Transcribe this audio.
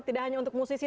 tidak hanya untuk musisi